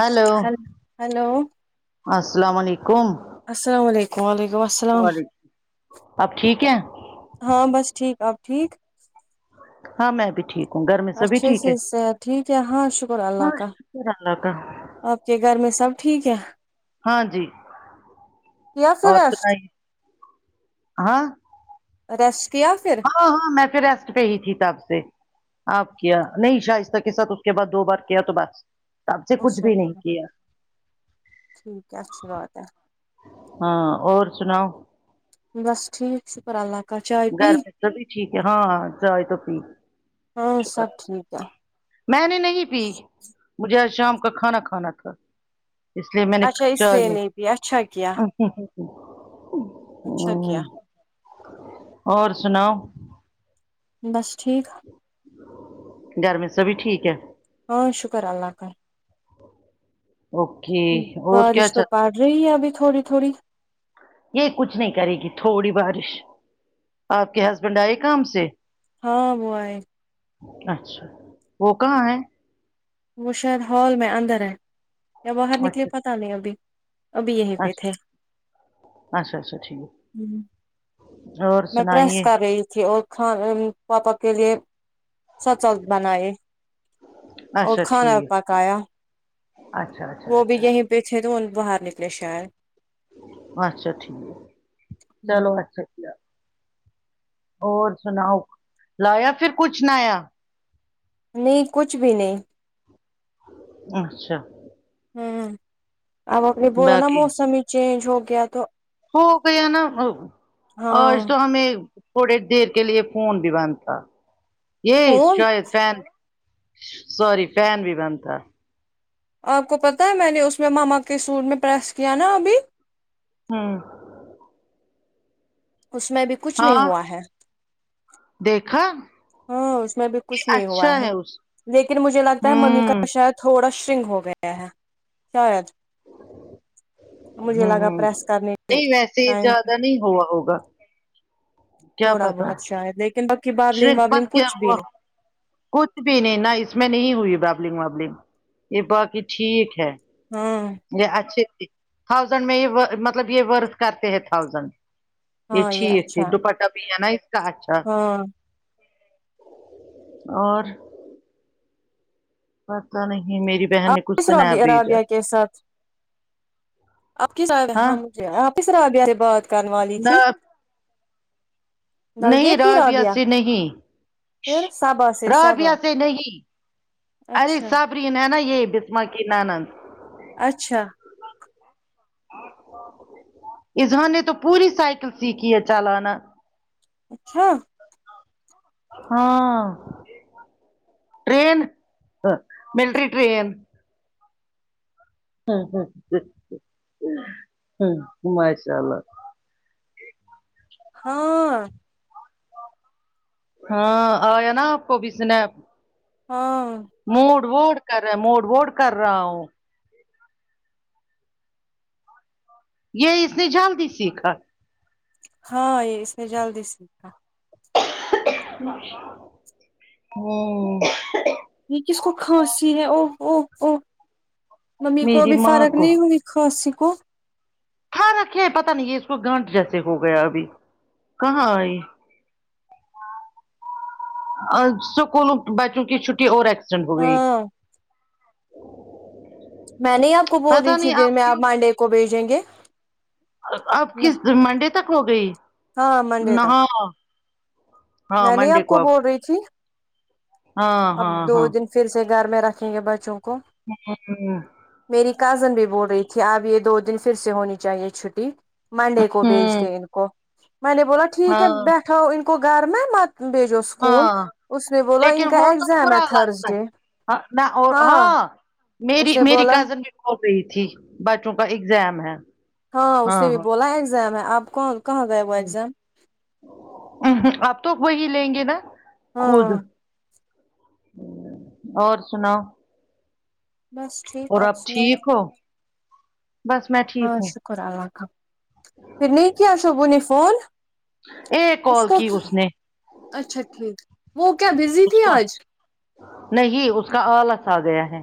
hello ہل hello السلام علیکم السلام علیکم و علیکم السل وعلیکم آپ ٹھیک ہیں ہاں بس ٹھیک آپ ٹھیک ہاں میں بھی ٹھیک ہوں گھر میں سبھی اچھے ٹھیک سے ہے سے ٹھیک ہے ہاں شکر ہاں اللہ کا شکر اللہ کا آپ کے گھر میں سب ٹھیک ہے ہاں جی یا پھر اور ریسٹ سنائیے ہاں ریسٹ کیا پھر ہاں ہاں میں پھر ریسٹ پہ ہی تھی تب سے آپ کیا نہیں شائستہ کے ساتھ اس کے بعد دو بار کیا تو بس تب سے کچھ اچھا بھی نہیں کیا ٹھیک ہے اچھی بات ہے ہاں اور سناؤ بس ٹھیک سے پر اللہ کا چاہے گھر پہ سب بھی ٹھیک ہے ہاں چائے تو پی ہاں شکر سب ٹھیک ہے میں نے نہیں پی مجھے آج شام کا کھانا کھانا تھا اس لیے میں نے ک اچھا اس چاے لیے نہیں پیا اچھا کیا پی اچھا کیا اور سناؤ بس ٹھیک گھر میں سبھی ٹھیک ہے ہاں شکر اللہ کا اوکے اور کیا بارش چل تو رہا پاٹ رہی ہے ابھی تھوڑی تھوڑی یہ کچھ نہیں کرے گی تھوڑی بارش آپ کے ہسبینڈ آئے کام سے ہاں وہ آئے اچھا وہ کہاں ہے وہ شاید ہال میں اندر ہے یا باہر نکلے اچھا پتہ نہیں ابھی ابھی یہی پہ اچھا تھے اچھا اچھا ٹھیک ہوں اور میں پریس سنائیے کر رہی تھی اور خان پاپا کے لیے سچل بنائے اور اچھا کھانا ٹھیک پکایا اچھا اچھا وہ بھی اچھا یہیں پے تھے تو وہ باہر نکلے شاید اچھا ٹھیک چلو اچھا کیا اور سناؤ لایا پھر کچھ نیا نہیں کچھ بھی نہیں اچھا ہوں اب آپ نے بولا نا باقی موسم ہی چینج ہو گیا تو ہو گیا نا اور آج ہاں تو ہمیں تھوڑی دیر کے لیے فون بھی بند تھا یہ فون شاید فین سوری فین بھی بند تھا آپ کو پتا ہے میں نے اس میں مما کے سوٹ میں پریس کیا نا ابھی ہوں اس میں بھی کچھ نہیں ہاں ہوا ہے دیکھا ہاں اس میں بھی کچھ نہیں ہوا اچھا ہے اس لیکن مجھے لگتا ہے ممی کا ہوں شاید تھوڑا شرنگ ہو گیا ہے شاید مجھے ہوں لگا ہوں پریس کرنے نہیں ویسے ٹائم زیادہ نہیں ہوا ہوگا کیا تھوڑا پتا بہت شاید لیکن بقی بابلنگ شرنک وابلنگ مت کیا کچھ بھی ہوا نہیں کچھ بھی نہیں نا اس میں نہیں ہوئی بابلنگ وابلنگ یہ باقی ٹھیک ہے ہاں یہ اچھے تھے تھاؤزینڈ میں یہ مطلب یہ ورت کرتے ہیں تھاؤزینڈ یہ ہاں ٹھیک تھی اچھا دوپٹہ بھی ہے نا اس کا اچھا ہاں اور پتا نہیں میری بہن آپ نے کچھ کس اسنپ رابع بھیجا رابعہ کے ساتھ کس ہاں طرح آپ سے بات کرنے والی نہ تھی یہ نہیں تھی رابعہ رابیہ سے نہیں پھر صبا سے صبا رابعہ سے اچھا فرین ہے نا یہ بسما کی نند اچھا اظہان نے تو پوری سائیکل سیکھی ہے چالانا اچھا ہاں ٹرین ملٹری ٹرین ہ ہ ہ ہاں ماشاء اللہ ہاں ہاں آیا نا آپ کو بھی اسنپ ہاں موڑ ووڈ کر رہا ہے موڈ ووڈ کر رہا ہوں یہ اس نے جلدی سیکھا ہاں یہ اس نے جلدی سیکھا ہوں یہ کس کو کھانسی ہے او او او ممی کو میری ابھی ماں فرق کو نہیں ہوئی کھانسی کو فرق ہے پتا نہیں ہے اس کو گانٹ جیسے ہو گیا ابھی کہاں آئی آ اسکولوں بچوں کی چھٹی اور ایکس ہاں میں نے آپ کو بول رہی پتہ تھی نہیں دن میں آپ کیوں منڈے کو بھیجیں گے اب کس منڈے تک ہو گئی ہاں منڈے نہ تک ہاں ہاں میں نہیں منڈے آپ کو اب بول رہی تھی ہاں اب ہاں دو ہاں دن پھر سے گھر میں رکھیں گے بچوں کو ہو ہوں میری کزن بھی بول رہی تھی اب یہ دو دن پھر سے ہونی چاہیے چھوٹی منڈے کو بھیج ہوں دے ان کو میں نے بولا ٹھیک ہے ہاں بیٹھاؤ ان کو گھر میں مت بھیجو اسکول ہاں اس نے بولا ان لیکن کا وہ تو ایگزام ہے برا تھرز لگتا ہے ڈے ہاں میں اور ہاں میری اس نے میری بولا کزن ہو گئی تھی بچوں کا ایگزام ہے ہاں اس نے بھی بولا ایگزام ہے آپ کون کہاں گئے ہوا ایگزام اہن آپ تو وہی لیں گے نا خود ہاں اور سناؤ بس ٹھیک اور آپ سنائیں ٹھیک ہو بس میں ٹھیک ہوں خدا رکھا پھر نہیں کیا شوبو نے فون ایک اس کال کو کی نے اچھا ٹھیک وہ کیا بیزی اس تھی کا آج نہیں اس کا آلس آ گیا ہے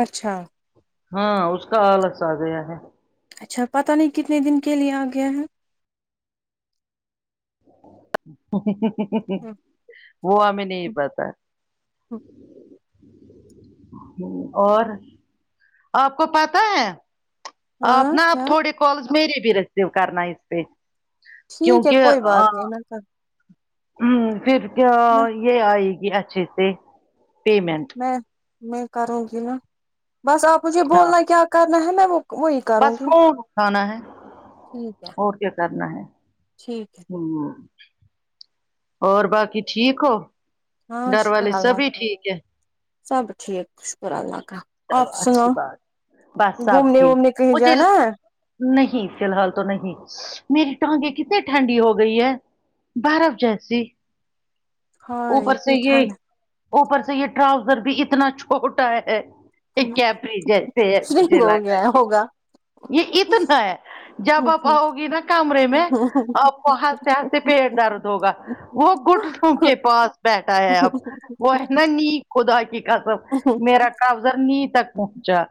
اچھا ہاں اس کا آلس آ گیا ہے اچھا پتہ نہیں کتنے دن کے لیے آ گیا ہے وہ ہمیں نہیں پتا ہو اور آپ کو پتہ ہے آپ ہاں نا اب کیا تھوڑے کالز میرے بھی ریسیو کرنا ہے اس پہ ٹھیک ہے کیونکہ کوئی بات آں نہیں میں کر ہوں پھر کیا یہ آئے گی اچھے سے پیمنٹ میں میں کروں گی نا بس آپ مجھے ہاں بولنا کیا کرنا ہے میں وہ وہی بس کروں گی فون اٹھانا ہے ٹھیک ہے ٹھیک ہے ہوں اور باقی ٹھیک ہو ہاں گھر شکر والے اللہ سبھی ٹھیک ہے سب ٹھیک شکر اللہ کا آپ چلو اچھی سناو بات بس سب گھومنے ٹھیک وومنے کہیں مجھے جانا ہے نہیں فی الحال تو نہیں میری ٹانگے کتنی ٹھنڈی ہو گئی ہے برف جیسی ہاں اوپر سے اتنی یہ ٹھنڈ اوپر سے یہ ٹراؤزر بھی اتنا چھوٹا ہے ہے، ایک کیپری جیسے ہے مجھے سرنگ ہو لگا گیا کے ہوگا یہ کتن ہے جب آپ آؤ گی نا کمرے میں آپ کو ہنستے ہنستے پیٹ درد ہوگا وہ گھٹنوں کے پاس بیٹھا ہے اب وہ ہے نا نی خدا کی قسم میرا کر نی تک پہنچا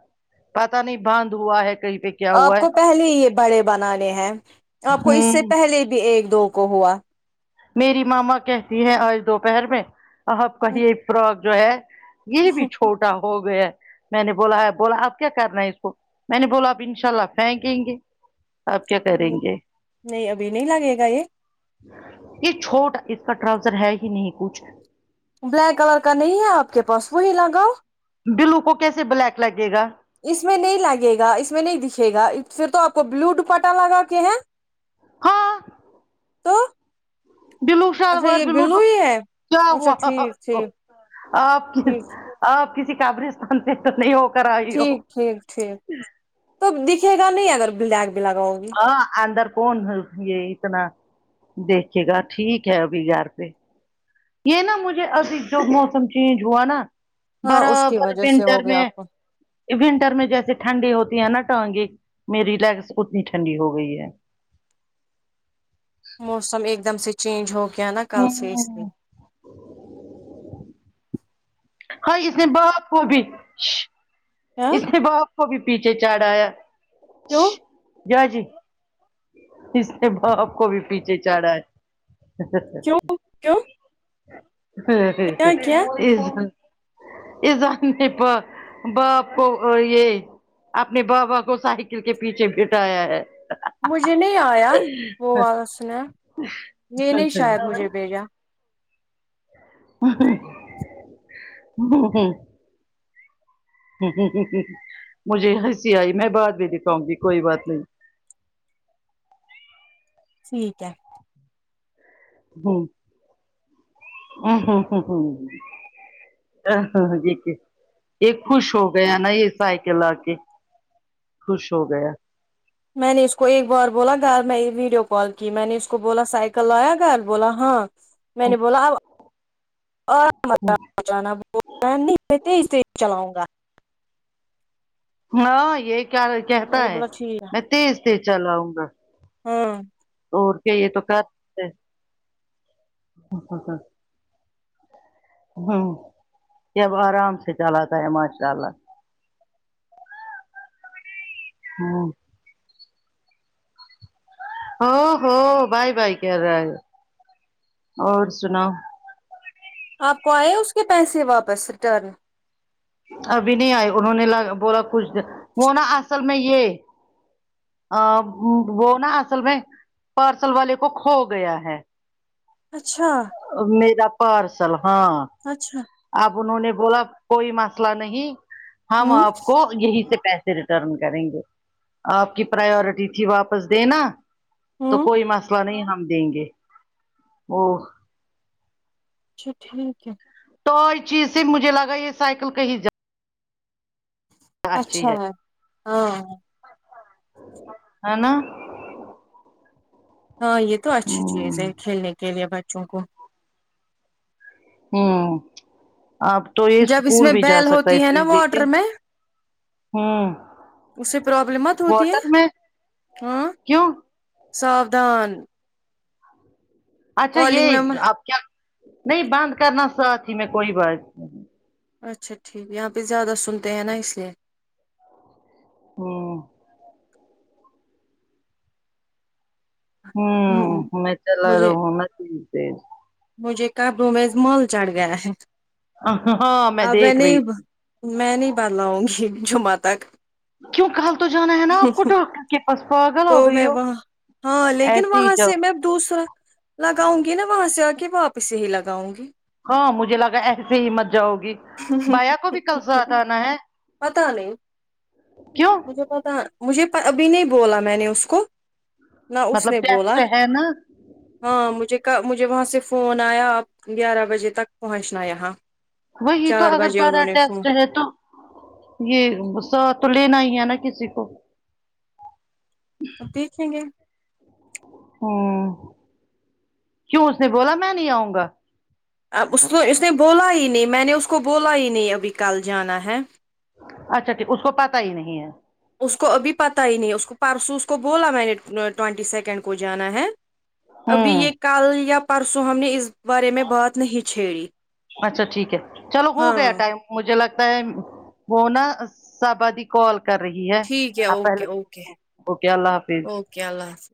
پتا نہیں بند ہوا ہے کہیں پہ کیا ہوا آپ ہے کو پہلے یہ بڑے بنانے ہیں آپ کو اس سے ہوں پہلے بھی ایک دو کو ہوا میری مما کہتی ہے آج دوپہر میں آپ کا یہ فراک جو ہے یہ بھی چھوٹا ہو گیا میں نے بولا ہے بولا اب کیا کرنا ہے اس کو میں نے بولا اب انشاء اللہ پھینکیں گے آپ کیا کریں گے نہیں ابھی نہیں لگے گا یہ یہ چھوٹا اس کا ٹراؤزر ہے ہی نہیں کچھ بلیک کلر کا نہیں ہے آپ کے پاس وہی لگاؤ بلو کو کیسے بلیک لگے گا اس میں نہیں لگے گا اس میں نہیں دیکھے گا پھر تو آپ کو بلو ڈوپٹہ لگا کے ہے ہاں تو بلو اچھا شلوار یہ بلو ڈو ہی ہے کیا اچھا ہوا ہا ہا ٹھیک ہو ٹھیک آپ کی ٹھیک آپ کسی قبرستان سے تو نہیں ہو کر آئی ہو ٹھیک ٹھیک ٹھیک تو دیکھے گا نہیں اگر بلیک بھی لگاؤ گی ہاں اندر کون یہ اتنا دیکھیے گا ٹھیک ہے ابھی یار پہ یہ نا مجھے ابھی جو موسم چینج ہوا نا ہاں اس کی برابر وجہ سے ونٹر ہو گیا میں آپ کو ونٹر میں جیسے ٹھنڈی ہوتی ہے نا ٹانگیں میری لیگس اتنی ٹھنڈی ہو گئی ہے موسم ایک دم سے چینج ہو گیا نا کل سے اس لیے ہوں ہاں اس نے باپ کو بھی شہ ہاں اس کے باپ کو بھی پیچھے چڑآیا کیوں شہ جاو جی اس نے باپ کو بھی پیچھے چڑھا ہے کیوں کیوں کیا کیا اذہان اذہان نہیں پ باپ کو یہ اپنے بابا کو سائیکل کے پیچھے بٹھایا ہے مجھے نہیں آیا وہ والا اسنپ یہ نہیں شاید مجھے بھیجا اوہو ہو ہو مجھے ہنسی آئی میں بعد بھی دکھاؤں گی کوئی بات نہیں ٹھیک ہے ہوں وں ہوں ہوں ہوں آ ہا دیکھ کے یہ خوش ہو گیا نا یہ سائیکل آ کے خوش ہو گیا میں نے اس کو ایک بار بولا گھر میں ویڈیو کال کی میں نے اس کو بولا سائیکل لایا گھر بولا ہاں میں نے بولا اب آ مت یاں جانا بولتا نہیں میں تیز تیز چلاؤں گا ہاں یہ کیا کہتا میں نے ہے بولا ٹھیک میں تیز تیز چلا آؤں گا ہاں اور کیا یہ تو کرتے ہوں یہ اب آرام سے چلاتا ہے ماشاء اللہ ہوں او ہو بائی بائی کہہ رہا ہے اور سناؤ آپ کو آئے اس کے پیسے واپس ریٹرن ابھی نہیں آئے انہوں نے بولا کچھ وہ نا اصل میں یہ ا وہ نا اصل میں پارسل والے کو کھو گیا ہے اچھا میرا پارسل ہاں اچھا اب انہوں نے بولا کوئی مسئلہ نہیں ہم ہوں آپ کو یہی سے پ ریٹرن کریں گے آپ کی پراورٹی تھی واپس دینا تو ہوں کوئی مسئلہ نہیں ہم دیں گے او اچھا ٹھیک ہے تو چیز سے مجھے لگا یہ سائیکل کہیں ج اچھی ہے ہاں ہے نا ہاں یہ تو اچھی چیز ہے ہوں کھیلنے کے لیے بچوں کو ہوں آپ جب اس میں بیل ہوتی ہے نا واٹر میں ہوں اس سے پرابلم مت ہوتی ہے واٹر میں ہاں کیوں ساودھان اچھا یہ کالنگ میں اب کیا نہیں بند کرنا ساتھ ہی میں کوئی بات اچھا ٹھیک یہاں پہ زیادہ سنتے ہیں نا اس لیے ہوں ہوں میں چلا رہا مجھے ہوں میں چیز سے مجھے قمروں مز مال چڑھ گیا ہے تیز ہاں ا دیکھ میں رہی بھ میں نہیں بدلاؤ گی جمعہ تک کیوں کل تو جانا ہے نا آپ کو ڈاکٹر کے پاس پاگل ہو تو گئی میں ہو وہاں ہاں لیکن ایسے ہی وہاں جاؤ سے میں دوسرا لگاؤں گی نا وہاں سے آ کے واپس ہی لگاؤں گی ہاں مجھے لگا ایسے ہی مت جاؤ گی بایا کو بھی کل ساتھ آنا ہے پتا نہیں کیوں مجھے پتا مجھے ابھی نہیں بولا میں نے اس کو نہ اس نے مطلب بولا ٹیسٹ ہے نا ہاں مجھے کہ مجھے وہاں سے فون آیا آپ گیارہ بجے تک پہنچنا یہاں وہیں تو چار اگر بجے بڑا انہوں نے ٹیسٹ فون ہے تو یہ ساتھ تو لینا ہی ہے نا کسی کو تو دیکھیں گے ہوں کیوں اس نے بولا میں نہیں آؤں گا اب اس کو اس نے بولا ہی نہیں میں نے اس کو بولا ہی نہیں ابھی کل جانا ہے اچھا ٹھیک اس کو پتا ہی نہیں ہے اس کو ابھی پتا ہی نہیں اس کو پرسوں اس کو بولا میں نے ٹوینٹی سیکنڈ کو جانا ہے ابھی ہوں یہ کل یا پرسوں ہم نے اس بارے میں بات نہیں چھیڑی اچھا ٹھیک ہے چلو ہاں ہو گیا ٹائم مجھے لگتا ہے وہ نا سبادی کال کر رہی ہے آپ پہلے اوکے اللہ حافظ یا اللہ حافظ